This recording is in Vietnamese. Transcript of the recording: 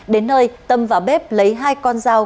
đến nơi tâm vào bếp lấy hai con dao